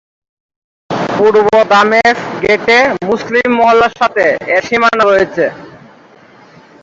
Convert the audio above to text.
পূর্বে দামেস্ক গেটে মুসলিম মহল্লার সাথে এর সীমানা রয়েছে।